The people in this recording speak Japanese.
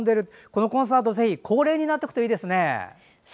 このコンサート恒例になっていくといいですね。